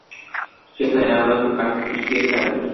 যেখানে আমার পাশে ক্রিস্টিন থাকবে।